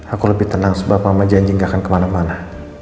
aku lebih tenang sebab sama janji gak akan kemana mana